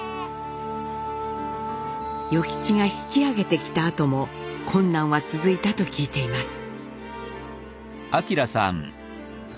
与吉が引き揚げてきたあとも困難は続いたと聞いています。